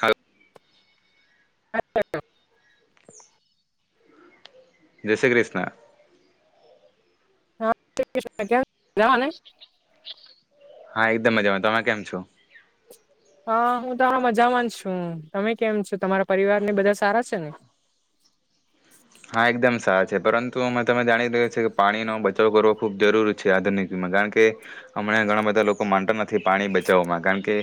હાલો. [inaudible] જય શ્રી ક્રિષ્ના. [unintelligible] હા, એકદમ મજામાં. તમે કેમ છો? હા, હું તો હ મજામાં છું. તમે કેમ છો? તમારા પરિવાર ને બધા સારા છે ને. હા, એકદમ સારા છે. પરંતુ અમે તમે જાણી રહ્યા છે કે પાણીનો બચાવ કરવો ખૂબ જરૂરી છે આધુનિકમાં. કારણ કે, હમણાં એ ઘણા બધા લોકો માનતા નથી પાણી બચાવામાં. કારણ કે,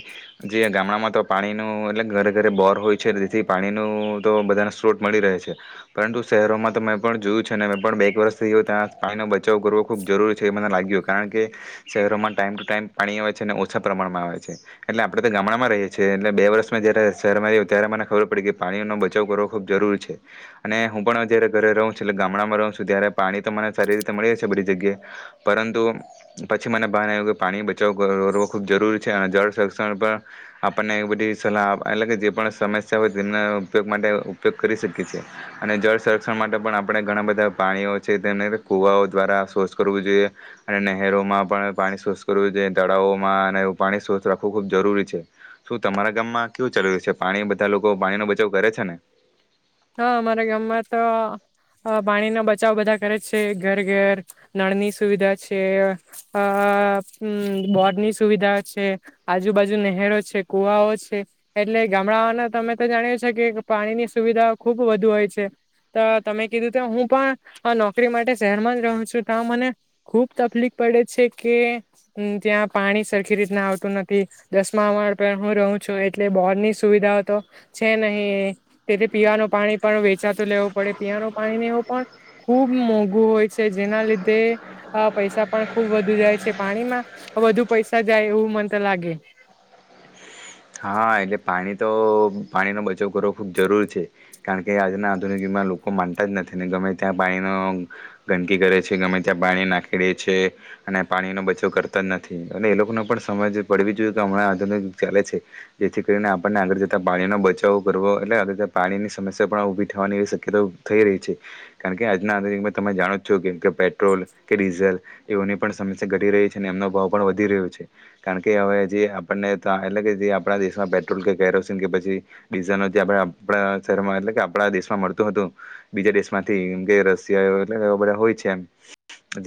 જે ગામડામાં તો પાણીનું એટલે ઘરે ઘરે બોર હોય છે. તેથી પાણીનું તો બધાને સ્ત્રોત મળી રહે છે. પરંતુ શહેરોમાં તો મેં પણ જોયું છે ને મેં પણ બે એક વર્ષથી ગ્યું ત્યાં પાણીનો બચાવ કરવો ખૂબ જરૂરી છે એ મને લાગ્યું. કારણ કે, શહેરોમાં ટાઈમ ટુ ટાઈમ પાણી આવે છે અને ઓછા પ્રમાણમાં આવે છે. એટલે આપણે તો ગામડામાં રહીએ છીએ એટલે બે વર્ષ મે જ્યારે શહેરમાં રહ્યું ત્યારે મને ખબર પડી કે પાણીનો બચાવ કરવો ખૂબ જરૂરી છે. અને હું પણ અ જયારે ઘરે રહું છું એલે ગામડામાં રહું છું ત્યારે પાણી તો મને સારી રીતે મળીએ છે બધી જગ્યાએ. પરંતુ પછી મને ભાન આયવું કે પાણી બચાવ કરવો ખૂબ જરૂરી છે. અને જળ સંક્ષણ પણ આપણને એવી બધી સલાહ આપ એટલે કે જે પણ સમસ્યા હોય તેના ઉપયોગ માટે ઉપયોગ કરી શકીએ છે. અને જળ સંરક્ષણ માટે પણ આપણે ઘણા બધા પાણીઓ છે. તેમને કુવાઓ દ્વારા સવચ્છ કરવું જોઈએ અને નહેરોમાં પણ પાણી સવચ્છ કરવું જોઈએ. તળાવોમાં અને પાણી સવચ્છ રાખવું ખૂબ જરૂરી છે. શું તમારા ગામમાં કેવું ચાલી રયુ છે? પાણી બધા લોકો પાણીનો બચાવ કરે છે ને? હા, અમારા ગામમાં તો અ પાણીનો બચાવ બધા કરે છે. ઘર ઘર નળની સુવિધા છે. અ અમ્મ બોડની સુવિધા છે, આજુબાજુ નહેરો છે, કુવાઓ છે. એટલે ગામડાઓના તમે તો જાણ્યું છે કે પાણીની સુવિધા ખૂબ વધુ હોય છે. તો તમે કીધું તો હું પણ અ નોકરી માટે શહેરમાં જ રહું છું. ત્યા મને ખુબ તકલીફ પડે છે કે, ત્યાં પાણી સરખી રીતના આવતું નથી. દસમા માણ પણ હું રહું છું. એટલે બોરની સુવિધાઓ તો છે નહીં. તેથી પીવાનો પાણી પણ વેચાતુ લેવું પડે. પીવાનુ પાણી ને એવું પણ ખુબ મોંઘું હોય છે. જેના લીધે અ પૈસા પણ ખુબ વધુ જાય છે. પાણીમાં વધુ પૈસા જાય એવું મન તો લાગે. હા, એટલે પાણી તો પાણીનો બચાવ કરવો ખૂબ જરૂર છે. કારણ કે, આજના આધુનિક યુગમાં લોકો માનતા જ નથી ને ગમે ત્યાં પાણીનો ગંદકી કરે છે, ગમે ત્યાં પાણી નાખી દે છે અને પાણીનો બચાવ કરતા નથી અને એ લોકોને પણ સમજ પડવી જોઈએ કે હમણાં આધુનિક ગ ચાલે છે. જેથી કરીને આપણને આગળ જતાં પાણીનો બચાવો કરવો એટલે આગળ જતા પાણીની સમસ્યા પણ ઊભી થવાની એવી શક્યતાઓ થઈ રહી છે. કારણ કે આજના આધુનમાં તમે જાણો છો કેમ કે પેટ્રોલ કે ડીઝલ એવની પણ સમસ્યા ઘટી રહી છે અને એમનો ભાવ પણ વધી રહ્યો છે. કારણ કે હવે જે આપણને તો એટલે કે જે આપણા દેશમાં પેટ્રોલ કે કેરોસીન કે પછી ડીઝલ [unintelligible] આપ આપણા શહેરમાં એટલે કે આપણા દેશમાં મળતું હતું બીજા દેશ માંથીમ કે રશિયા એટલે બધા હોય છે એમ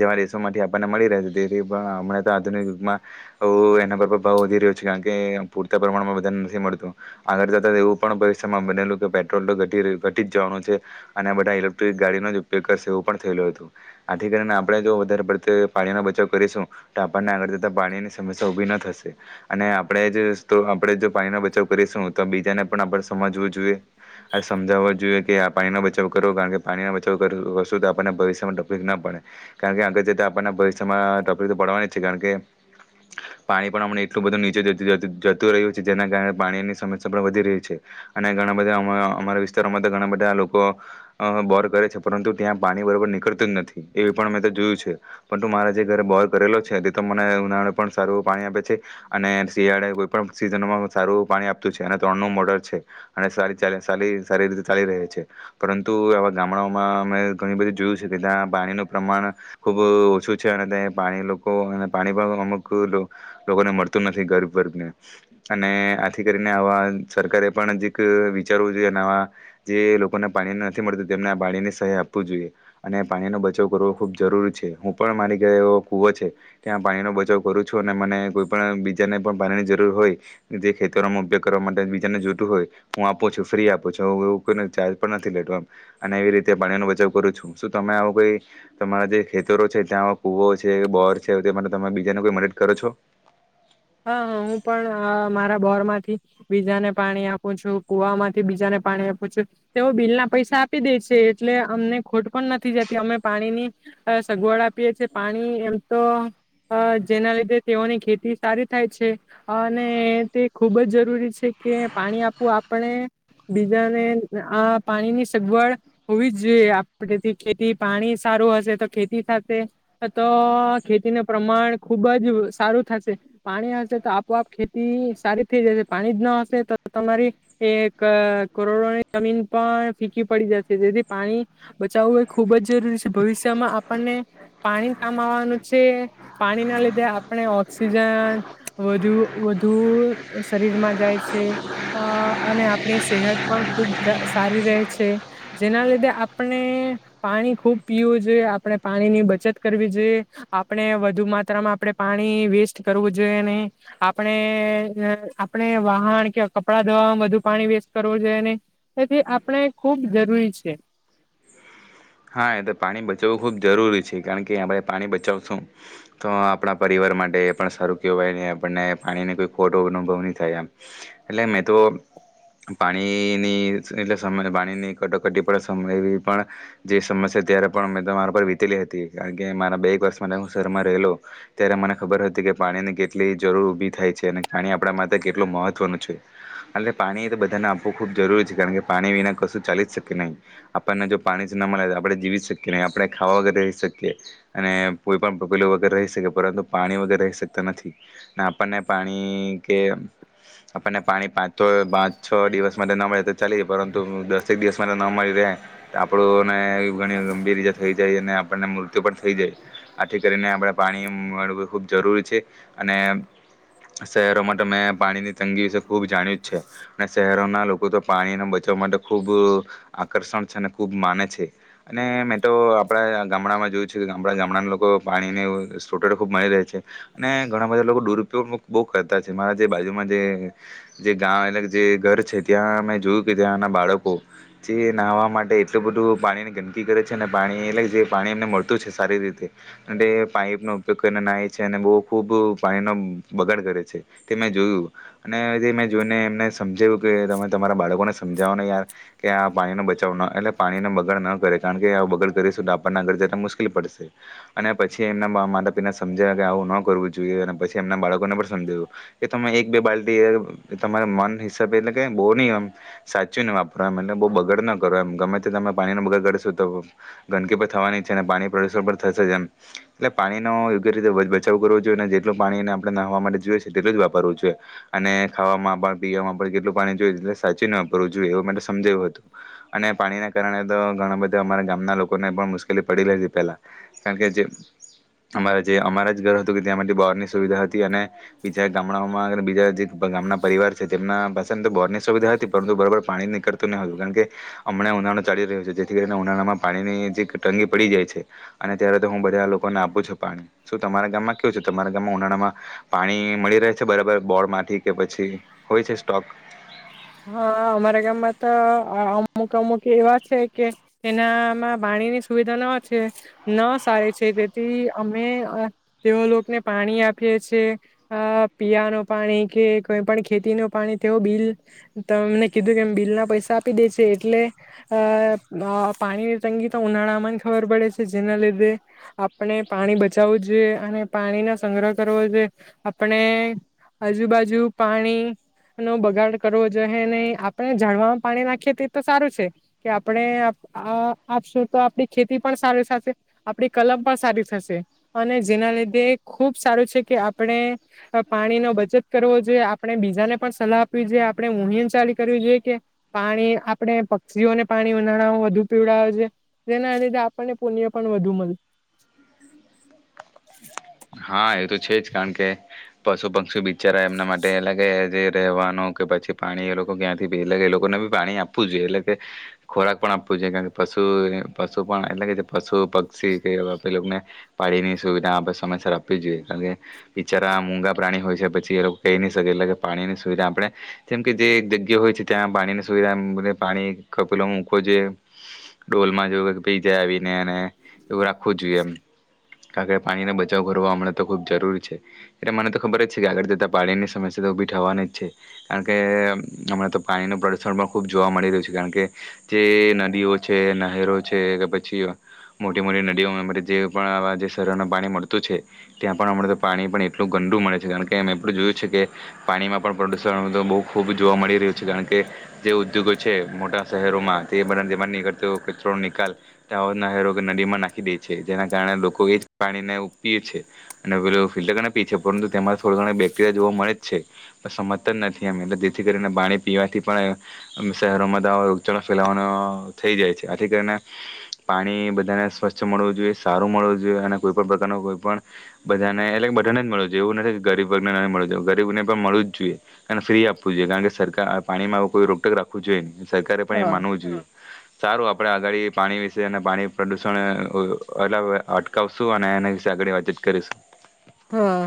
જેવા દેશોમાંથી આપણને મળી રહે છે તેથી પણ હમણાં તો આધુનિક યુગમાં એના પર ભાવ વધી રહ્યો છે. કારણ કે તે પ્રમાણમાં વધારે નથી મળતું. આગળ જતા એવું પણ ભવિષ્યમાં બનેલું કે પેટ્રોલ તો ઘટી રહ્યું પતી જ જવાનું છે. અને આ બધા ઇલેક્ટ્રિક ગાડીનો જ ઉપયોગ કરશે એવું પણ થયેલું હતું. આથી કરીને આપણે જો વધારે પડતે પાણીનો બચાવ કરીશું તો આપણને આગળ ત પાણીની સમસ્યા ઊભી ન થશે. અને આપણેે જસ તો હમ આપડે જો પાણીનો બચાવ કરીશું. તો બીજાને પણ આપણે સમજવું જોઈએ અને સમજાવવા જોઈએ. કે આ પાણીનો બચાવ કરો કારણ કે પાણીનો બચાવ કરશું તો આપણને ભવિષ્યમાં ટોપિક ના પડે. કારણ કે આગળ જતા આપણના ભવિષ્યમાં તપિક તો પડવાની જ છે. કારણ કે પાણી પણ આમને એટલું બધું નીચે જ જતું રહ્યું છે. જેના કારણે પાણીની સમસ્યા પણ વધી રહી છે અને ઘણા બધા અમ અમારા વિસ્તારોમાં તો ઘણા બધા લોકો અ બોર કરે છે. પરંતુ ત્યાં પાણી બરાબર નીકળતું જ નથી એવી પણ મેં તો જોયું છે. પરંતુ મારા જે ઘરે બોર કરેલો છે તે તો મને ઉનાળે પણ સારું પાણી આપે છે અને શિયાળે કો પણ સીઝનોમાં સારું પાણી આપતું છે. અને ત્રણ નું મોડર છે. અને સારી ચા સાલી સારી રીતે ચાલી રહે છે. પરંતુ આવા ગામડાઓમાં અમે ઘણી બધી જોયું છે કે ત્યાં પાણીનું પ્રમાણ ખુબ ઓછું છે અને ત્યાં પાણી લોકો અને પાણી પણ અમુક લોકોને મળતું નથી ગરીબ વર્ગને. અને આથી કરીને આવા સરકારે પણ જ વિચારવું જોઈએ અને આવા જે લોકોને પાણી નથી મળતું તેમને આ પાણીની સહાય આપવું જોઈએ, અને પાણીનોો બચાવ કરવો ખુબ જરૂરી છે હું પણ મારી ઘ એવો કુવો છે ત્યાં પાણીનો બચાવ કરું છું અને મને કોઈ પણ બીજાને પણ પાણીની જરૂર હોય જે ખેતરોમાં ઉપયોગ કરવા માટે બીજાને જતું હોય હું આપું છું ફ્રી આપું છું, કોઈ ચાર્જ પણ નથી લેતો આમ અને એવી રીતે પાણી નો બચાવ કરું છું, શું તમે આવું કોઈ તમારા જે ખેતરો છે, ત્યાં કુવો છે, બોર છે, તે માટે તમે બીજાને કોઈ મદદ કરો છો? હાં હાં હું પણ મારા બોર માંથી બીજાને પાણી આપું છું, કુવા માંથી બીજાને પાણી આપું છું, તેઓ બિલ ના પૈસા આપી દે છે, એટલે અમને ખોટ પણ નથી જતી, અમે પાણીની સગવડ આપીએ છીએ પાણી એમ તો જેના લીધે તેઓની ખેતી સારી થાય છે. અને તે ખૂબ જ જરૂરી છે કે, પાણી આપવું આપણે બીજાને આ પાણીની સગવડ હોવી જ જોઈએ, આપણેથી ખેતી પાણી સારું હશે તો ખેતી થશે તો ખેતી ન પ્રમાણ ખૂબ જ સારું થશે, પાણી હશે તો આપોઆપ ખેતી સારી થઈ જશે, પાણી જ ના હશે તો તમારી એક કરોડોની જમીન પણ ફીકી પડી જશે, જેથી પાણી બચાવવું એ ખુબ જ જરૂરી છે, ભવિષ્યમાં આપણને પાણી કામ આવવાનું છે પાણી ના લીધે આપણે ઓક્સિજન વધુ વધુ શરીરમાં જાય છે. અ અને આપણી સેહત પણ ખુબ સારી રહે છે. જેના લીધે આપણે પાણી ખુબ પીવું જોઈએ, આપણે પાણીની બચત કરવી જોઈએ, આપણે વધું માત્રામાં આપણે પાણી વેસ્ટ કરવું જોઈ નહીં, આપણે આપણે વાહણ કે કપડાં ધોવામાં વધુ પાણી વેસ્ટ કરવું જોઈએ નહી, એથી આપણે ખુબ જરૂરી છે. હાં એ તો પાણી બચાવવું ખૂબ જરૂરી છે, કારણ કે આપણે પાણી બચાવશું તો આપણાં પરિવાર માટે પણ સારું કહેવાય, આપણને પાણીને કોઈ ખોટો અનુભવ નહી થાય એમ, એટલે મેં તો પાણીની સમય પાણીની કટોકટી પણ સમય એવી પણ જે સમસ્યા ત્યારે પણ મેં તમારા પર વીતેલી હતી કારણ કે મારા બે એક વર્ષ માટે હું શહેરમાં રહેલો ત્યારે મને ખબર હતી કે, પાણીની કેટલી જરૂર ઊભી થાય છે. અને પાણી આપણા માટે કેટલું મહત્વનું છે. એટલે પાણી એ બધાને આપવું ખૂબ જરૂરી છે, કારણ કે પાણી વિના કશું ચાલી જ શકે નહી આપણને જો પાણી ના મળે આપણે જીવી શકીએ નહીં, આપણે ખાવા વગર રહી શકીએ અને કોઈ પણ પગીલો વગર રહી શકીએ, પરંતુ પાણી વગર રહી શકતા નથી. આપણને પાણી કે આપણને પાણી પાંચ પાંચ છ દિવસ માટે ન મળે તો ચાલી જાય પરંતુ દસેક દિવસ માટે ન મળી રહે આપણને ઘણી ગંભીર રીતે થઈ જાય, અને આપણને મૃત્યુ પણ થઈ જાય, આથી કરીને આપણે પાણી મળવું ખૂબ જરૂરી છે, અને શહેરો માટે મેં પાણીની તંગી વિશે ખૂબ જાણ્યું જ છે, અને શહેરોના લોકો તો પાણીને બચવા માટે ખૂબ આકર્ષણ છે. ખૂબ માને છે. અને મેં તો આપણા ગામડામાં જોયું છે કે, ગામડા ગામડાના લોકો પાણીને સોટેડ ખૂબ મળી રહે છે, અને ઘણાં બધાં લોકો દુરુપયોગ બહુ કરતા છે. મારા જે બાજુમાં જે ગામ એટલે જે ઘર છે, ત્યાં મેં જોયું કે ત્યાંના બાળકો જે નહવા માટે એટલું બધું પાણીની ગંદકી કરે છે, અને પાણી એટલે જે પાણી એમને મળતું છે સારી રીતે અને પાઇપનો ઉપયોગ કરીને નાય છે. અને બહુ ખૂબ પાણીનો બગાડ કરે છે. તે મેં જોયું અને જે મેં જોઈને એમને સમજાવ્યું કે તમે તમારા બાળકોને સમજાવો ને યાર કે આ પાણીનો બચાવો ન એટલે પાણીને બગડ ન કરે, કારણ કે આવો બગાડ કરીશું તો આપણને આગળ જતા મુશ્કેલી પડશે, અને પછી એમના માતા પિતાને સમજાવે કે આવું ન કરવું જોઈએ, અને પછી એમના બાળકોને પણ સમજાવું એ તમે એક બે બાલ્ટી એ તમારા મન હિસાબે એટલે કે બહુ નહી એમ સાચવી ને વાપરો એમ એટલે બહુ બગાડ ન કરો એમ ગમે તમે પાણીનો બગાડ ગડશો તો ગંદકી પર થવાની છે. અને પાણી પ્રદુષણ પર થશે જ એમ, એટલે પાણીનો યોગ્ય રીતે બચાવ કરવો જોઈએ, અને જેટલું પાણીને આપણે નહવા માટે જોઈએ છે, તેટલું જ વાપરવું જોઈએ અને ખાવામાં પણ પીવામાં પણ જેટલું પાણી જોઈએ એટલું સાચવીને વાપરવું જોઈએ, એવું માટે સમજાવ્યું હતું અને પાણીના કાર તો ઘણાં બધાં અમારા ગામના લોકોને પણ મુશ્કેલી પડેલી હતી પહેલા, કારણ કે જે અમારા જે અમારા જ ઘર હતું કે ત્યાંમાંથી બોરની સુવિધા હતી, અને બીજા ગામડાઓમાં બીજા જે ગામના પરિવાર છે તેમના પાસે તો બોર ની સુવિધા હતી, પરંતુ બરોબર પાણી નીકળતું ન હતું કારણ કે હમણાં ઉના ચાલી રહ્યો છે, જેથી કરીને ઉનાળામાં પાણી ની જે તંગી પડી જાય છે. અને ત્યારે તો હું બધાં લોકોને આપું છું. પાણી શું તમારા ગામમાં કેવું છે? તમારા ગામમાં ઉનાળામાં પાણી મળી રહે છે! બરાબર બોર માંથી કે પછી હોય છે સ્ટોક હા, અમારા ગામમાં તો અ અમુક અમુક એવા છે કે, એનામાં પાણીની સુવિધા ન છે ન સારી છે. તેથી અમે અ તેઓ લોકને પાણી આપીએ છે. અ પીવાનું પાણી કે કોઈ પણ ખેતીનો પાણી તેઓ બિલ તમને કીધું કેમ બિલના પૈસા આપી દે છે. એટલે અ અ પાણીની તંગી તો ઉનાળામાં જ ખબર પડે છે. જેના લીધે આપણે પાણી બચાવું જોઈએ અને પાણીનો સંગ્રહ કરવો જોએ. આપણે આજુબાજુ પાણી નો બગાડ કરવો જોહે નય. આપણે ઝાડવામાં પાણી નાખીએ તે તો સારું છે કે, આપણે આપ અ આપશું તો આપણી ખેતી પણ સારી સાશે, આપણી કલમ પણ સારી થશે અને જેના લીધે ખુબ સારું છે કે, આપણે અ પાણી નો બચત કરવો જોએ, આપણે બીજાને પણ સલાહ આપવી જોએ, આપણે મુહીમ ચાલુ કરવી જોએ કે, પાણી આપણે પક્ષીઓને પાણી ઉનાળામાં વધુ પીવડાવું જોએ. જેના લીધે આપણને પુણ્ય પણ વધુ મલ. હા, એ તો છે જ કારણ કે પશુ પક્ષી બિચારા એમનાં માટે એલે કે જે રહેવાનું કે પછી પાણી એ લોકો ક્યાંથી પી. એટલે કે એ લોકોને ભી પાણી આપવું જોએ. ‌એટલે કે ખોરાક પણ આપવું જોએ. કારણ કે, પશુ પશુ પણ એટલે કે જે પશુ પક્ષી કે‌ એવો પે લોકને પાણીની સુવિધા આપે સમયસર આ પવી જોએ. કારણ કે, બિચારા મૂંગા પ્રાણી હોય છે, પછી એ લોક કહી ની શકે. એટલે કે, પાણીની સુવિધા આપણે જેમ કે જે એક જગ્યા હોય છે, ‌ ત્યાં પાણીની સુવિધા એમ [unintelligible] પાણી કપીલો મૂક્વો જોએ, ડોલમાં જેવું કઈક પી જાય આવીને અને એવું રાખવું જોએ એમ. કારણ કે, પાણીને બચાવ કરવા હમણાં તો ખૂબ જરૂરી છે. એટલે મને તો ખબર જ છે કે, આગળ જતાં પાણીની સમસ્યા તો ઊભી થવાની જ છે. કારણ કે, હમણાં તો પાણીનું પ્રદુષણ પણ ખૂબ જોવા મળી રહ્યું છે. કારણ કે, જે નદીઓ છે, નહેરો છે કે પછી મોટી મોટી નદીઓમાં એ બઘી જે પણ આવા જે શહેરોના પાણી મળ તુ છે. ત્યાં પણ અમળા તો પાણી પણ એટલું ગંદુ મળે છે. કારણ કે, એ [unintelligible] જોયું છે, કે પાણીમાં પણ પ્રદુષણ હવે તો બોવ ખૂબ જોવા મળી રહ્યું છે. કારણ કે, જે ઉદ્યોગો છે મોટા શહેરોમાં તે બધા તેમાં નીકળતો કચરો નિકાલ ત્યાં ઓ નહેરોમાં કે નદીમાં નાખી દે છે. જેના કારણે લોકો એ જ પાણીને પીએ છે. અને પેલો ફિલ્ટર કરીને પી છે. પરંતુ તેમાં થોડા ઘણા બેક્ટેરિયા જોવા મળે જ છે. સમજતાં જ નથી એમ, એટલે તેથી કરીને પાણી પીવાથી પણ શહેરોમાં તો આવો રોગચાળો ફેલાવાનો થઈ જાય છે. આથી કરીને પાણી બધાને સ્વચ્છ મળવું જોએ, સારું મળવું જોએ અને કોઈ પણ પ્રકારનો કોઈ પણ બધાંને એટલે કે બધાંને જ મળવું જોઈએ એવું નથી ગરીબ વર્ગને નહીં મળવું જોઈએ. ગરીબ ને પણ મળવું જ જોઈએ, ફ્રી આપવું જોઈએ, કારણ કે સરકાર પાણીમાં કોઈ રોકટોક રાખવું જોઈએ નહીં. સરકારે પણ એ હા માનવું જોઈએ સારું આપણે આગાડી પાણી વિશે અને પાણી પ્રદૂષણ એટલ અટકાવશું અને એને આગળ વાતચીત કરીશું. હા